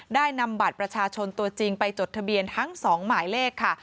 ได้นำบัตรประชาชนตัวจริงไปจดทะเบียนทั้ง๒หมายเลขค่ะ